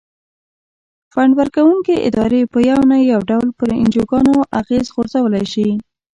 فنډ ورکوونکې ادارې په یو نه یو ډول پر انجوګانو اغیز غورځولای شي.